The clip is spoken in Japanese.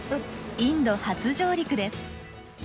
インド初上陸です。